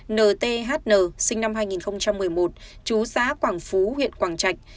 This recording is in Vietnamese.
nthn sinh năm hai nghìn một mươi một chú xã quảng phú huyện quảng trạch